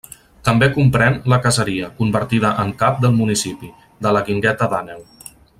També comprèn la caseria, convertida en cap del municipi, de la Guingueta d'Àneu.